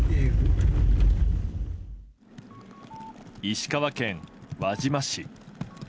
石川県輪島市。